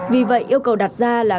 vì vậy yêu cầu đặt ra là